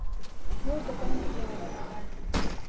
نور زده کوونکي دې هغه معنا کړي.